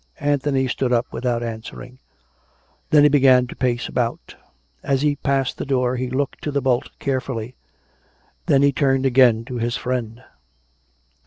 " Anthony stood up without answering. Then he began to pace about. As he passed the door he looked to the bolt carefully. Then he turned again to his friend.